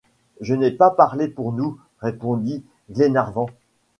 Je n’ai pas parlé pour nous, répondit Glenarvan.